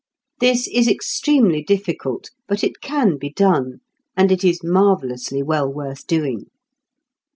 This is extremely difficult, but it can be done, and it is marvellously well worth doing.